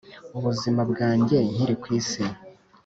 ubuzima bwanjye nkiri ku isi